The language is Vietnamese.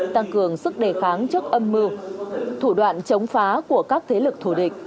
tăng cường sức đề kháng trước âm mưu thủ đoạn chống phá của các thế lực thù địch